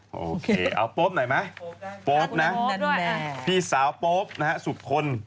โอเคเอาโป๊ปหน่อยไหมโป๊ปนะพี่สาวโป๊ปนะฮะสุดคน